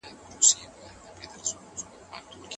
عصري تاریخ پوهان د احمد شاه ابدالي په اړه څه لیکي؟